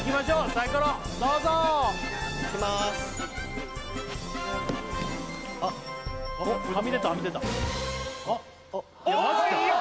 サイコロどうぞいきますあっはみ出たはみ出た・おおいいよ